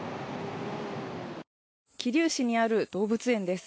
桐生市にある動物園です。